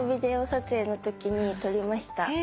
撮影のときに撮りました。